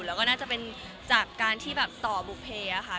แล้วก็น่าจะเป็นจากการที่แบบต่อบุเภค่ะ